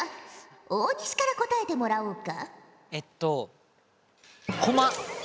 大西から答えてもらおうか。